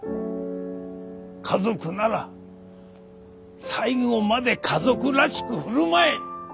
家族なら最後まで家族らしく振る舞え！